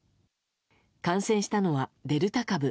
感染したのはデルタ株。